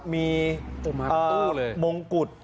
มีมงกุฎ